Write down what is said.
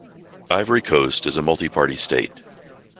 Ivory Coast is a multiparty state.